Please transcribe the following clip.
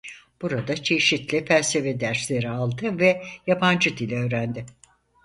Burada çeşitli felsefe dersleri aldı ve yabancı dil öğrendi.